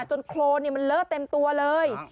จนโคลนนี่มันเลอกเต็มตัวเลย